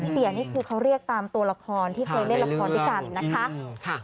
เปียนี่คือเขาเรียกตามตัวละครที่เคยเล่นละครด้วยกันนะคะ